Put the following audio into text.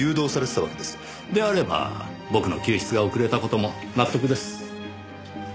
であれば僕の救出が遅れた事も納得です。